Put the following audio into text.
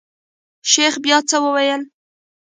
شيخ بيا څه وويل.